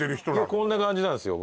こんな感じなんですよ